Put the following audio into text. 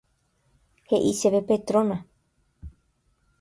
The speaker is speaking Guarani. He'i chéve Petrona.